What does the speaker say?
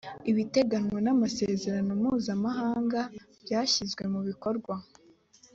ibiteganywa n’amasezerano mpuzamahanga byashyizwe mu bikorwa